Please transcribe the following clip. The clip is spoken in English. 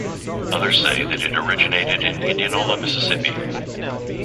Others say that it originated in Indianola, Mississippi.